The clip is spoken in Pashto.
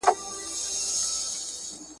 که انسان عدالت وکړي خدای به خوښ سي.